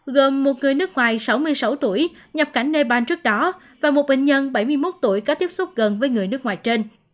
gồm một người nước ngoài sáu mươi sáu tuổi nhập cảnh nepal trước đó và một bệnh nhân bảy mươi một tuổi có tiếp xúc gần với người nước ngoài trên